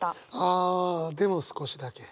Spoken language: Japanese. あ「でもすこしだけ」。